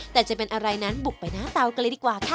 แต่จะเป็นอะไรนั้นบุกไปหน้าเตากันเลยดีกว่าค่ะ